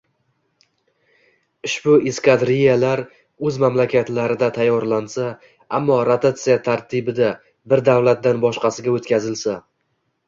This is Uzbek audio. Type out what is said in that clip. Ushbu eskadrilyalar o‘z mamlakatlarida tayyorlansa, ammo rotatsiya tartibida bir davlatdan boshqasiga o‘tkazilsa